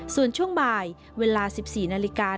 ส่วนช่วงบ่ายเวลา๑๔นาฬิกา